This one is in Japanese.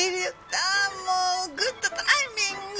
あもうグッドタイミング！